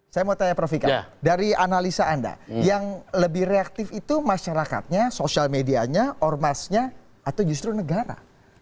saya mau tanya prof vika dari analisa anda yang lebih reaktif itu masyarakatnya sosial medianya ormasnya atau justru negara